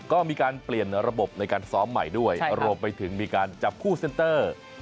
ก็มีการเปลี่ยนระบบในการซ้อมใหม่ด้วยรวมไปถึงมีการจับคู่เซ็นเตอร์